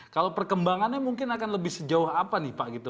kalau perkembangannya mungkin akan lebih sejauh apa nih pak gitu